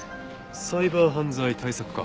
サイバー犯罪対策課？